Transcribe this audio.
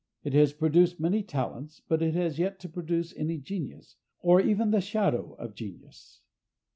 It has produced many talents, but it has yet to produce any genius, or even the shadow of genius.